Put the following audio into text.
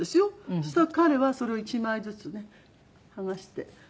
そしたら彼はそれを１枚ずつね剥がして。